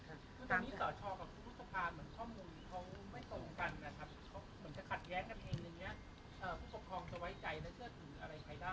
อีกหน่วยงานหนึ่งแยกกันมาครับ